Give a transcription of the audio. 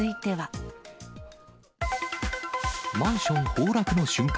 マンション崩落の瞬間。